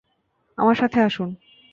আমার সাথে আসুন।